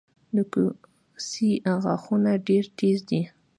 د کوسې غاښونه ډیر تېز دي